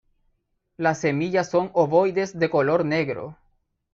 Las semillas son ovoides de color negro.